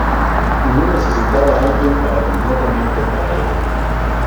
Y no necesitaba a alguien para completamente para ella.